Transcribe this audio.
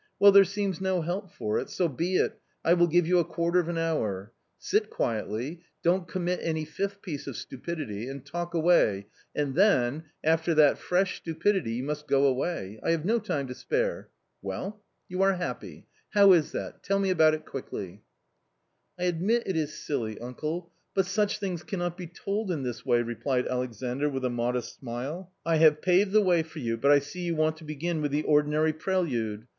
Well, there seems no help for it, so be it, I will give you a quarter of an hour; sit quietly, don't commit any fifth piece of stupidity, and talk away, and then, after that fresh stupidity you must go away ; I have no time to spare. Well .... you are happy .... how is that? Tell me about it quickly." " I admit it is silly, uncle, but such things cannot be told in this way," replied Alexandr with a modest smile. " I have paved the way for you, but I see you want to begin with the ordinary prelude.